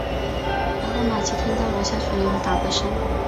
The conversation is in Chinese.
然后玛琦听到楼下传来有打嗝声。